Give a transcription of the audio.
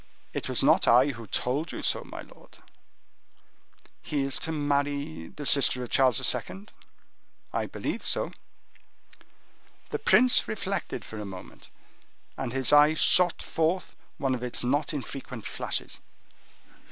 "It was not I who told you so, my lord." "He is to marry the sister of Charles II.?" "I believe so." The prince reflected for a moment, and his eye shot forth one of its not infrequent flashes.